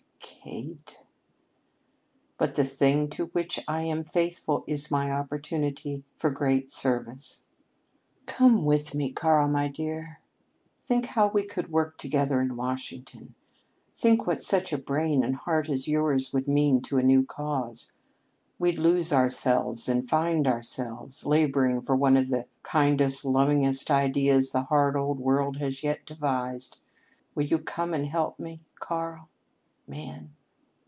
"Kate " "But the thing to which I am faithful is my opportunity for great service. Come with me, Karl, my dear. Think how we could work together in Washington think what such a brain and heart as yours would mean to a new cause. We'd lose ourselves and find ourselves laboring for one of the kindest, lovingest ideas the hard old world has yet devised. Will you come and help me, Karl, man?"